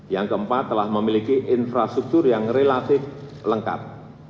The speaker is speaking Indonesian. yang keempat telah memiliki infrastruktur yang relatif lengkap